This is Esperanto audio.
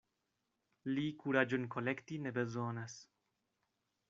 Li kuraĝon kolekti ne bezonas.